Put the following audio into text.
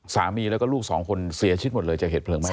สามีแล้วก็ลูกสองคนเสียชีวิตหมดเลยจากเหตุเพลิงไหม้